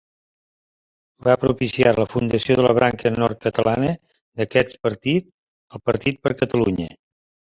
Va propiciar la fundació de la branca nord-catalana d'aquest partit, el Partit per Catalunya.